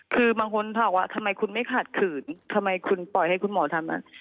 คือบางคนถามว่าทำไมคุณไม่ขัดขืนทำไมคุณปล่อยให้คุณหมอทำ